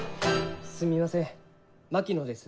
・すみません槙野です。